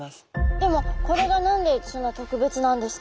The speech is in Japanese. でもこれが何でそんな特別なんですか？